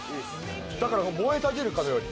だから燃えたぎるかのように。